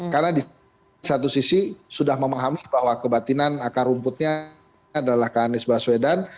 karena di satu sisi sudah memahami bahwa kebatinan akar rumputnya adalah kak anies baswedan